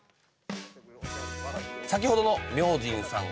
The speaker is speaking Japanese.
先ほどの明神さん